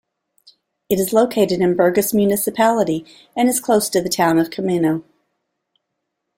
It is located in Burgas Municipality and is close to the town of Kameno.